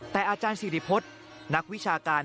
แต่อาจารย์สิริพฤษนักวิชาการ